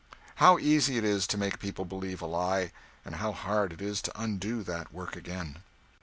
How easy it is to make people believe a lie, and how hard it is to undo that work again!